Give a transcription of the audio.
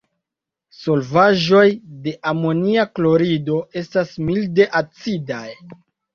Solvaĵoj de amonia klorido estas milde acidaj.